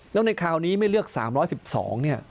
แล้วในคราวนี้ไม่เลือก๓๑๒เนี่ย